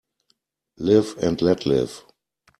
Live and let live.